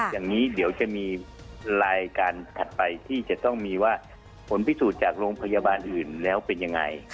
อย่างนี้เดี๋ยวจะมีรายการถัดไปที่จะต้องมีว่าผลพิสูจน์จากโรงพยาบาลอื่นแล้วเป็นยังไง